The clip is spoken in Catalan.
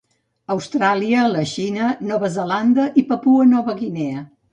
Austràlia, la Xina, Nova Zelanda i Papua Nova Guinea.